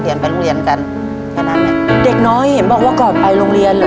ทับผลไม้เยอะเห็นยายบ่นบอกว่าเป็นยังไงครับ